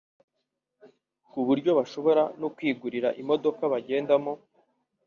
kuburyo bashobora no kwigurira imodoka bagendamo